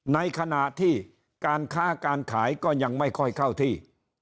ในขณะที่การค้าการขายก็ยังไม่ค่อยเข้าที่